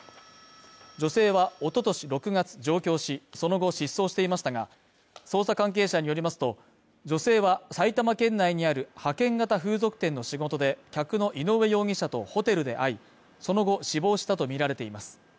女性はおととし６月上京し、その後失踪していましたが、捜査関係者によりますと、女性は埼玉県内にある派遣型風俗店の仕事で、客の井上容疑者とホテルで会い、その後死亡したとみられています。